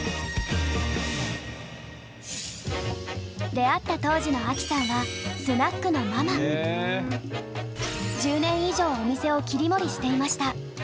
出会った当時のアキさんは１０年以上お店を切り盛りしていました。